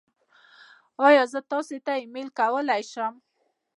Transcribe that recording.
ایا زه تاسو ته ایمیل کولی شم؟